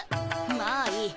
まあいい。